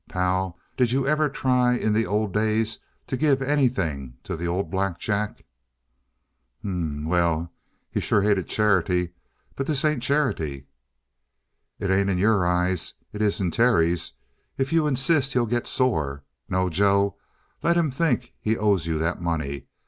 "Pal, did you ever try, in the old days, to give anything to the old Black Jack?" "H'm. Well, he sure hated charity. But this ain't charity." "It ain't in your eyes. It is in Terry's. If you insist, he'll get sore. No, Joe. Let him think he owes you that money.